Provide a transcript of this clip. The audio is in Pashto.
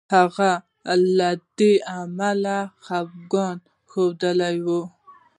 هغه له دې امله خپګان ښودلی وو.